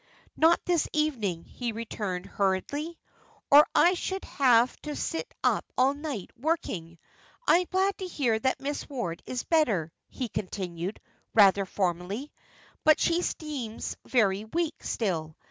"Not this evening," he returned, hurriedly, "or I should have to sit up all night working. I am glad to hear that Miss Ward is better," he continued, rather formally; "but she seems very weak, still.